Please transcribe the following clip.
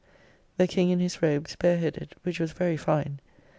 The King in his robes, bare headed, which was very fine.